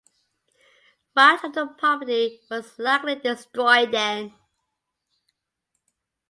Much of their property was likely destroyed then.